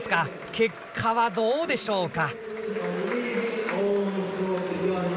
結果はどうでしょうか？